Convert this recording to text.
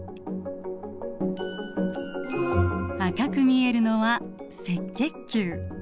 赤く見えるのは赤血球。